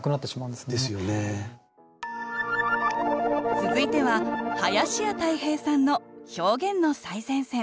続いては林家たい平さんの「表現の最前線」。